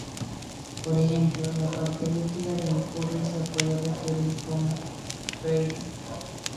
Por ejemplo, la parte líquida de un curry se puede referir como "gravy".